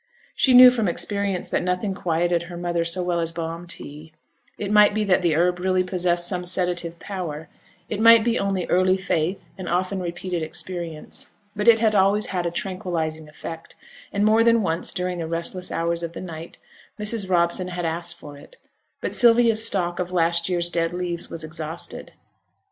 She knew from experience that nothing quieted her mother so well as balm tea; it might be that the herb really possessed some sedative power; it might be only early faith, and often repeated experience, but it had always had a tranquillizing effect; and more than once, during the restless hours of the night, Mrs. Robson had asked for it; but Sylvia's stock of last year's dead leaves was exhausted.